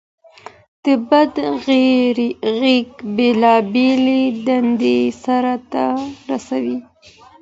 د بدن غړي بېلابېلې دندې سرته رسوي.